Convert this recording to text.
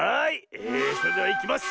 えそれではいきます。